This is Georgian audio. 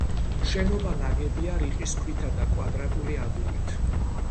შენობა ნაგებია რიყის ქვითა და კვადრატული აგურით.